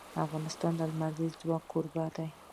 افغانستان د لمریز ځواک کوربه دی.